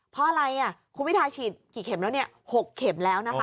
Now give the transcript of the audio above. เพราะอะไรคุณพิทาฉีด๖เข็มแล้วนะคะ